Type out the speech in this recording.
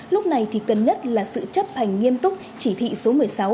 lúc này thì cần nhất là sự chấp hành nghiêm túc chỉ thị số một mươi sáu